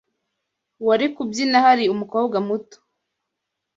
Wari kubyina hari umukobwa muto